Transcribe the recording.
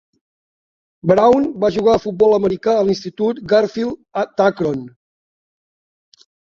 Brown va jugar a futbol americà a l'institut Garfield d'Akron.